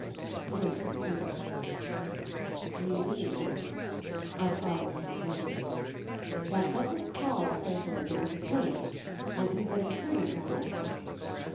This was clearer. "You mean," I followed her slowly. "That what was called socialism was at tained — and you' ve been improving upon it?"